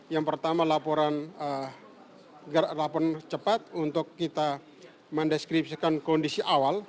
yang pertama laporan cepat untuk kita mendeskripsikan kondisi awal